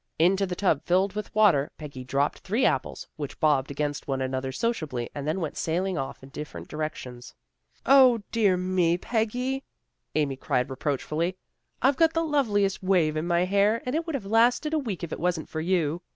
Into the tub filled with water Peggy dropped three apples, which bobbed against one another sociably and then went sailing off in different directions. " 0, dear me, Peggy," Amy cried reproach fully, " I've got the loveliest wave in my hair, A HALLOWE'EN PARTY 75 and it would have lasted a week if it wasn't for you.